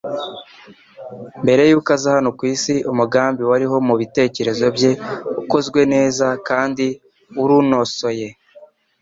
Mbere y'uko aza hano ku isi umugambi wariho mu bitekerezo bye ukozwe neza kandi urunosoye.